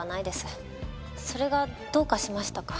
それがどうかしましたか？